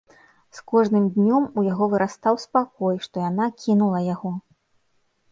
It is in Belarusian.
З кожным днём у яго вырастаў спакой, што яна кінула яго.